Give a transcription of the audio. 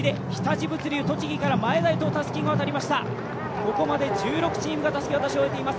ここまで１６チームがたすきを渡し終えています。